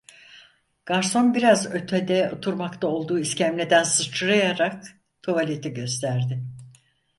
Garson biraz ötede oturmakta olduğu iskemleden sıçrayarak tuvaleti gösterdi.